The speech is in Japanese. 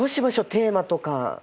テーマとか。